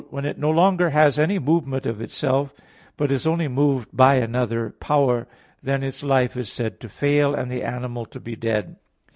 When it no longer has any movement of itself, but is only moved by another power, then its life is said to fail, and the animal to be dead.